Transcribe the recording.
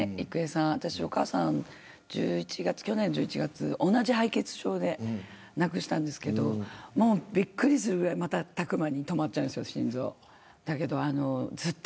私、お母さんが去年の１１月同じ敗血症で亡くしたんですけどびっくりするぐらい、瞬く間に止まっちゃうんですよ、心臓が。